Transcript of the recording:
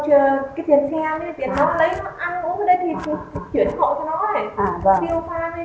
tùy là một cái tiền xe đi tiền nó lấy nó ăn uống ra đây thì chuyển khẩu cho nó này